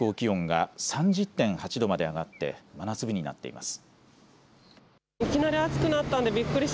午前１１時半までの最高気温が３０．８度まで上がって、真夏日になっています。